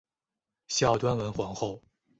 孝端文皇后。